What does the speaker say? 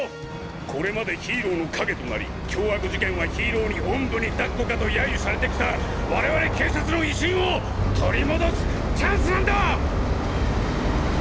これまでヒーローの影となり凶悪事件はヒーローにおんぶにだっこかと揶揄されてきた我々警察の威信を取り戻すチャンスなんだ！